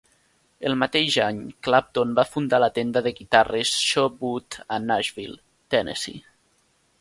El mateix any, Clapton va fundar la tenda de guitarres Sho-Bud a Nashville, Tennessee.